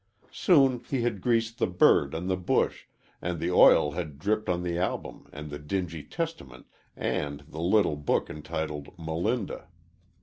Soon he had greased the bird and the bush, and the oil had dripped on the album and the dingy Testament and the little book entitled Melinda.